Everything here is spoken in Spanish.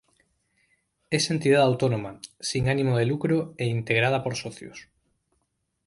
Es entidad autónoma, sin ánimo de lucro e integrada por socios.